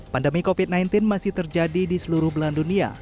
pandemi covid sembilan belas masih terjadi di seluruh belahan dunia